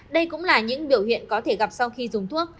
đây cũng là những biểu hiện có thể gặp sau khi dùng thuốc